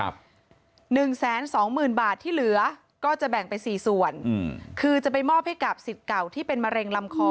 ๑๒๐๐๐๐บาทที่เหลือก็จะแบ่งไป๔ส่วนคือจะไปมอบให้กับสิทธิ์เก่าที่เป็นมะเร็งลำคอ